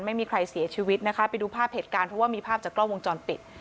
ไม่มีใครเสียชีวิตนะคะไปดูภาพเหตุการณ์เพราะว่ามีภาพจากกล้องวงจรปิด